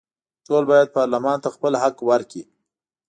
ټول باید پارلمان ته خپل حق ورکړي.